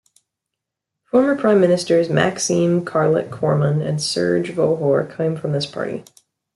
Former prime ministers Maxime Carlot Korman and Serge Vohor came from this party.